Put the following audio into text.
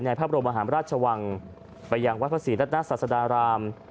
พระบรมหาราชวังไปยังวัดพระศรีรัตนาศาสดาราม